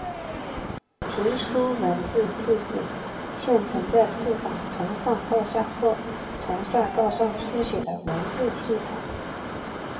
直书文字是指现存在世上从上到下或从下到上书写的文字系统。